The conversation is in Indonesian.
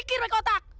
pikir pakai otak